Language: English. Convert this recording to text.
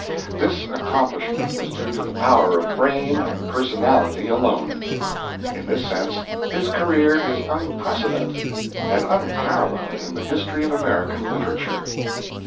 This accomplishment was due to the power of brain and personality alone. In this sense, his career is unprecedented and unparalleled in the history of American literature.